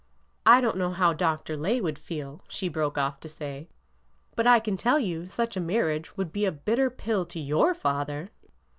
I don't know how Dr. Lay would feel," she broke off to say ;'' but I can tell you such a marriage would be a bitter pill to your father